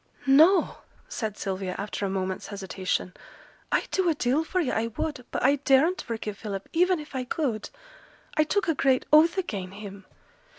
'No!' said Sylvia, after a moment's hesitation; 'I'd do a deal for yo', I would, but I daren't forgive Philip, even if I could; I took a great oath again' him.